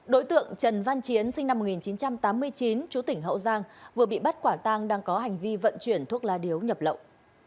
đối tượng trần văn chiến sinh năm một nghìn chín trăm tám mươi chín chú tỉnh hậu giang vừa bị bắt quả tang đang có hành vi vận chuyển thuốc lá điếu nhập lậu